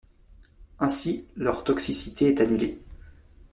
Ainsi, leur toxicité est annulée.